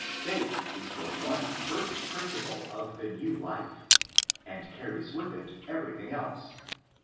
faith is the one first principle of the new life, and carries with it everything else.